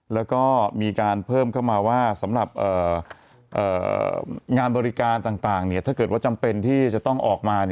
แล้วก็มีการเพิ่มเข้ามาว่าสำหรับงานบริการต่างถ้าเกิดว่าจำเป็นที่จะต้องออกมา